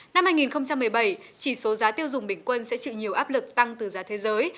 năm hai nghìn một mươi bảy chỉ số giá tiêu dùng bình quân sẽ chịu nhiều áp lực tăng từ giá thế giới